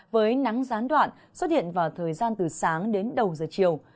với nắng gián đoạn xuất hiện vào thời gian từ sáng đến đầu giờ chiều